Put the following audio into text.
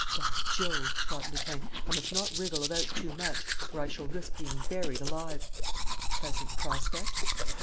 "By Jove!" thought Lupin, "I must not wriggle about too much, or I shall risk being buried alive! A pleasant prospect!"